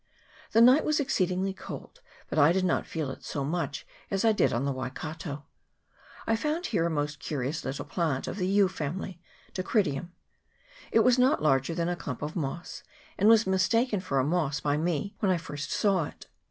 The night was exceedingly cold, but I did not feel it so much as I did on the Waikato. I found here a most curious little plant of the yew family (Dacrydium) ; it was not larger than a clump of moss, and was mistaken for a moss by me when I first saw it.